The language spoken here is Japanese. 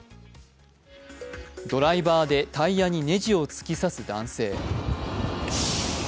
ドライバーでタイヤにネジを突き刺す男性。